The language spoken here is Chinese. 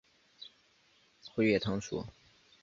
穗叶藤属。